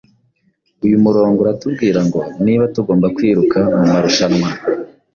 Uyu murongo uratubwira ngo niba tugomba kwiruka mu marushanwa,